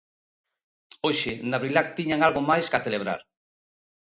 Hoxe na Brilat tiñan algo máis ca celebrar.